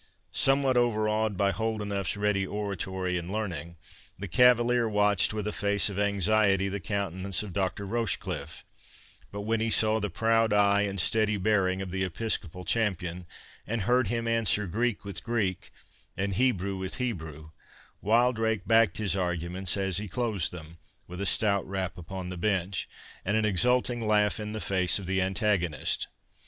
Somewhat overawed by Holdenough's ready oratory and learning, the cavalier watched with a face of anxiety the countenance of Dr. Rochecliffe; but when he saw the proud eye and steady bearing of the Episcopal champion, and heard him answer Greek with Greek, and Hebrew with Hebrew, Wildrake backed his arguments as he closed them, with a stout rap upon the bench, and an exulting laugh in the face of the antagonist.